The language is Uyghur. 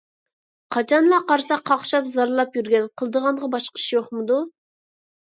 قاچانلا قارىسا قاقشاپ زارلاپ يۈرگەن. قىلىدىغانغا باشقا ئىش يوقمىدۇ؟